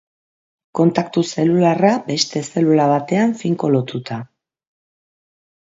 Kontaktu zelularra beste zelula batean finko lotuta.